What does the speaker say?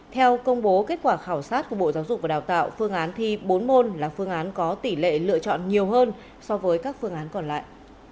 theo công bố kết quả khảo sát của bộ giáo dục và đào tạo phương án thi bốn môn là phương án có tỷ lệ lựa chọn nhiều hơn so với các phương án còn lại